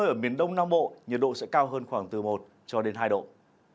các tỉnh thành nam bộ trong ba ngày tới có mưa rông vài nơi vào lúc chiều tối và đêm